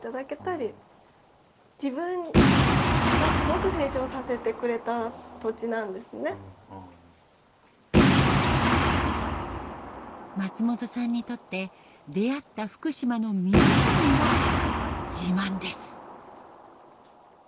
絵本を作りながら松本さんにとって出会った福島の皆さんが自慢です。